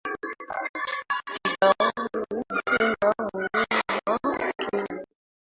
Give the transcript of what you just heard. Sijawahi ona mlima Kenya